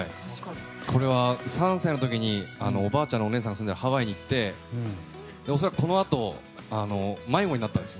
これは、３歳の時におばあちゃんのお姉さんが住んでいるハワイに行って、恐らくこのあと迷子になったんです。